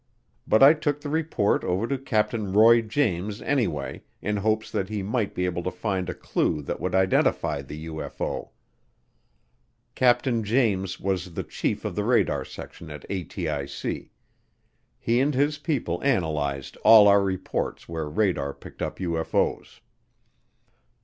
But I took the report over to Captain Roy James, anyway, in hopes that he might be able to find a clue that would identify the UFO. Captain James was the chief of the radar section at ATIC. He and his people analyzed all our reports where radar picked up UFO's.